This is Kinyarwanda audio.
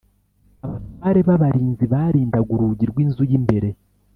abatware b’abarinzi barindaga urugi rw’inzu y’imbere